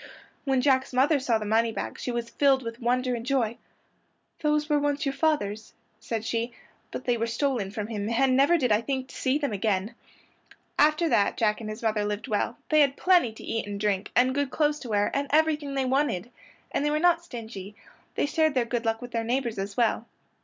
When Jack's mother saw the moneybags she was filled with wonder and joy. "Those were once your father's," said she, "but they were stolen from him, and never did I think to see them again." After that Jack and his mother lived well, they had plenty to eat and drink, and good clothes to wear, and everything they wanted. And they were not stingy; they shared their good luck with their neighbors as well.